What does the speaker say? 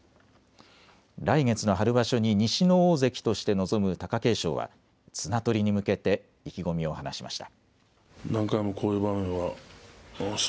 来月の春場所に西の大関として臨む貴景勝は綱とりに向けて意気込みを話しました。